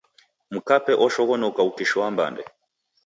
Mkape oshoghonoka ukishoa mbande.